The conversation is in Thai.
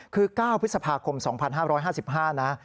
คือ๙พฤษภาคม๒๕๕๕นะ